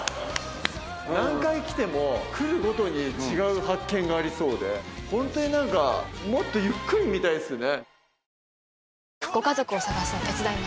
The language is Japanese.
何回来ても来るごとに違う発見がありそうで本当にもっとゆっくり見たいですね。